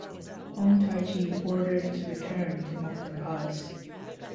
Hong Taiji ordered to return to Mukden palace.